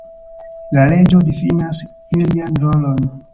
La leĝo difinas ilian rolon.